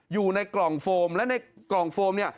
อยู่ในกล่องโฟมและในกล่องโฟมเนี่ย